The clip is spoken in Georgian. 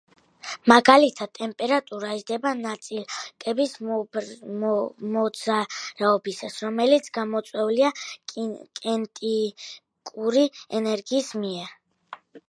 მაგალითად, ტემპერატურა იზრდება ნაწილაკების მოძრაობისას რომელიც გამოწვეულია კინეტიკური ენერგიის მიერ.